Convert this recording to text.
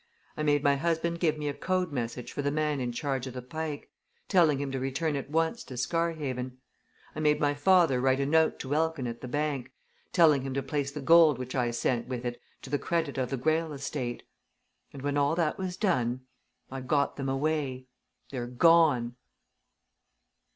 I made my husband give me a code message for the man in charge of the Pike, telling him to return at once to Scarhaven; I made my father write a note to Elkin at the bank, telling him to place the gold which I sent with it to the credit of the Greyle Estate. And when all that was done I got them away they're gone!"